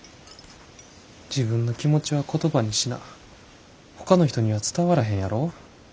自分の気持ちは言葉にしなほかの人には伝わらへんやろ？